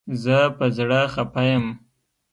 زه په زړه خپه یم